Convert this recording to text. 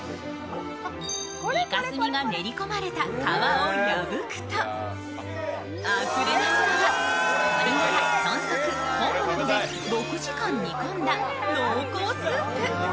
いか墨が練り込まれた皮を破くと鶏ガラ、豚足などで６時間煮込んだ濃厚スープ。